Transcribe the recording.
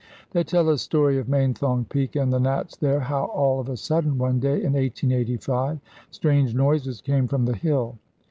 They tell a story of Mainthong Peak and the Nats there, how all of a sudden, one day in 1885, strange noises came from the hill.